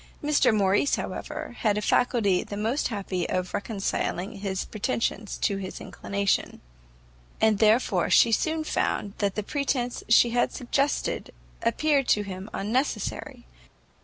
Mr Morrice, however, had a faculty the most happy of reconciling his pretensions to his inclination; and therefore she soon found that the pretence she had suggested appeared to him unnecessary.